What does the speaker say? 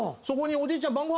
そこにおじいちゃん